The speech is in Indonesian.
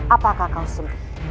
apakah kau sendiri